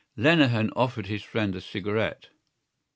Lenehan offered his friend a cigarette.